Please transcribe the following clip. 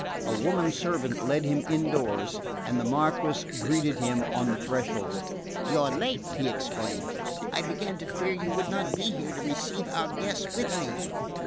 A woman servant led him indoors and the Marquess greeted him on the threshold. "You are late!" he exclaimed. "I began to fear you would not be here to receive our guests with me."